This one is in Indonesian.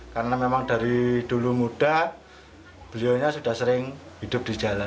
karena memang dari dulu muda beliau sudah sering hidup di jalan